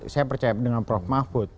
saya percaya dengan prof mahfud